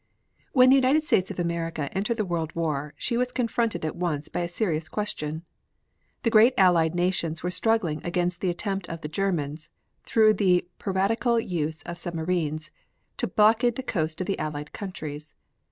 When the United States of America entered the World War she was confronted at once by a serious question. The great Allied nations were struggling against the attempt of the Germans, through the piratical use of submarines, to blockade the coast of the Allied countries.